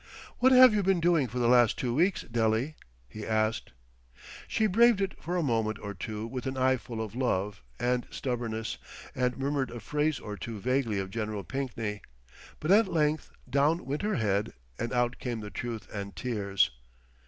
"What have you been doing for the last two weeks, Dele?" he asked. She braved it for a moment or two with an eye full of love and stubbornness, and murmured a phrase or two vaguely of Gen. Pinkney; but at length down went her head and out came the truth and tears.